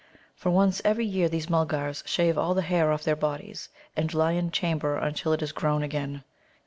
For once every year these Mulgars shave all the hair off their bodies, and lie in chamber until it is grown again.